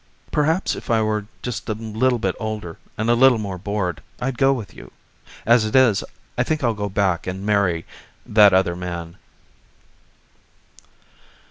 Perhaps if I were just a little bit older and a little more bored I'd go with you. As it is, I think I'll go back and marry that other man."